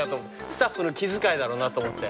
スタッフの気遣いだろうなと思って。